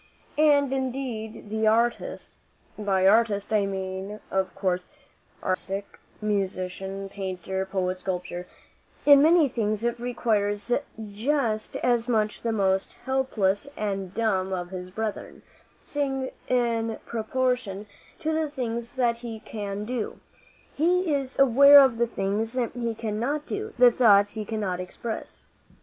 And indeed the artist by artist, I mean, of course, architect, musician, painter, poet, sculptor in many things requires it just as much as the most helpless and dumb of his brethren, seeing in proportion to the things that he can do, he is aware of the things he cannot do, the thoughts he cannot express.